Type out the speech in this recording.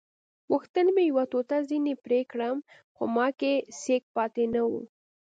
غوښتل مې یوه ټوټه ځینې پرې کړم خو ما کې سېک پاتې نه وو.